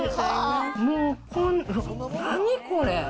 もう、何これ。